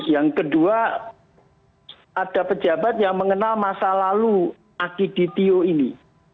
yang kedua ada pejabat yang mengenal masa lalu akiditio ini